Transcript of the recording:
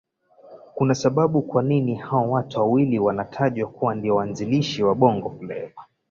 Kuna sababu kwanini hao watu wawili wanatajwa kuwa ndiyo waanzilishi wa Bongofleva